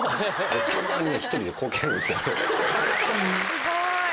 すごい。